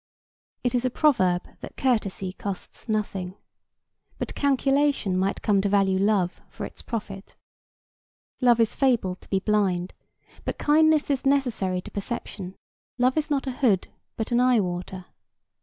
It is a proverb that 'courtesy costs nothing'; but calculation might come to value love for its profit. Love is fabled to be blind, but kindness is necessary to perception; love is not a hood, but an eye water.